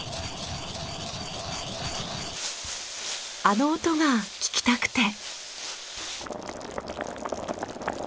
あの音が聞きたくて。